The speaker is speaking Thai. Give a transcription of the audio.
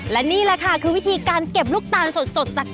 และนี่แหละค่ะคือวิธีการเก็บลูกตาลสดจาก